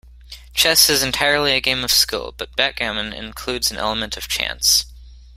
Chess is entirely a game of skill, but backgammon includes an element of chance